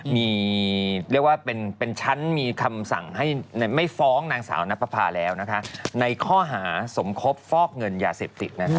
มีเรียกว่าเป็นชั้นมีคำสั่งให้ไม่ฟ้องนางสาวนับประพาแล้วนะคะในข้อหาสมคบฟอกเงินยาเสพติดนะคะ